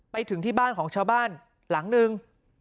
ไปถึงที่บ้านของชาวบ้านหลังนึง